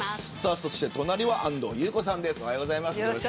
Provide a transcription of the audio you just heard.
隣は安藤優子さんです。